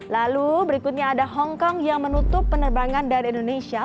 lalu berikutnya ada hongkong yang menutup penerbangan dari indonesia